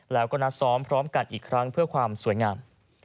แล้วก็นัดซ้อมพร้อมกันอีกครั้งเพื่อความสวยงาม